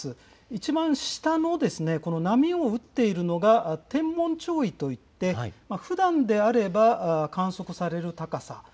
一番下のこの波を打っているのが、天文潮位といって、ふだんであれば、観測される高さ。